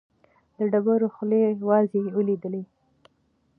د ډېرو خولې وازې ولیدې.